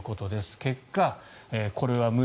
結果、これは無理